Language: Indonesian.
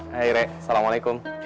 hai rek assalamualaikum